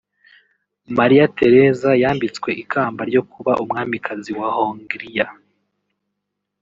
Maria Theresa yambitswe ikamba ryo kuba umwamikazi wa Hongriya